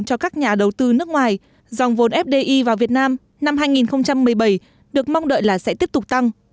cho các nhà đầu tư nước ngoài dòng vốn fdi vào việt nam năm hai nghìn một mươi bảy được mong đợi là sẽ tiếp tục tăng